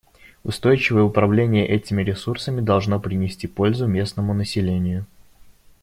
Устойчивое управление этими ресурсами должно принести пользу местному населению.